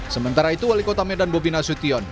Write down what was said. sementara itu wali kota medan bobi nasution